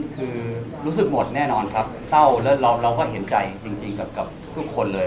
คือรู้สึกหมดแน่นอนครับเศร้าแล้วเราก็เห็นใจจริงกับทุกคนเลย